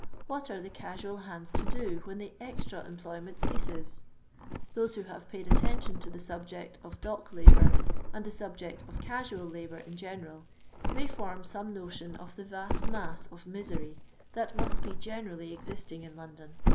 What an the casmil hands to do when the extra employment ceases 1 Those who have paid attention to the subject of dock labour and the subject of casual labour in general, may form some notion of the vast mass of misery that must be generally existing in London.